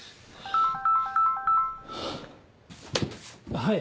はい。